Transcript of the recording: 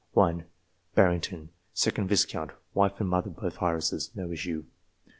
1 Barrington, 2d Viscount ; wife and mother both heiresses. No issue.